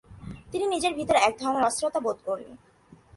তিনি নিজের ভিতর এক ধরনের অস্থিরতা বোধ করলেন।